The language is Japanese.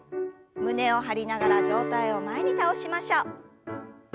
胸を張りながら上体を前に倒しましょう。